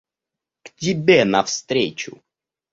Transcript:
К тебе навстречу.